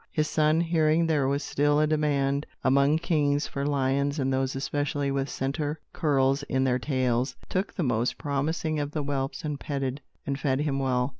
His son, hearing there was still a demand, among kings, for lions, and those especially with centre curls in their tails, took the most promising of the whelps and petted and fed him well.